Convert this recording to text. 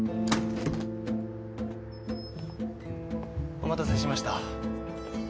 お待たせしました。